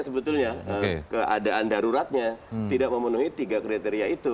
sebetulnya keadaan daruratnya tidak memenuhi tiga kriteria itu